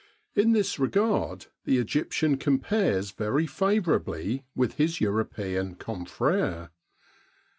In this regard the Egyptian compares very favourably with his European confrere.